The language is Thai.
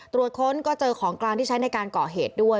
ตรวจค้นก็เจอของกลางที่ใช้ในการก่อเหตุด้วย